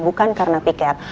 bukan karena pkr